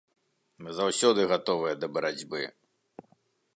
Мы заўсёды гатовыя да барацьбы.